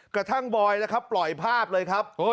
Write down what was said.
กระทั่งบอยนะครับปล่อยภาพเลยครับ